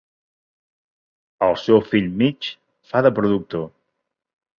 El seu fill Mitch fa de productor.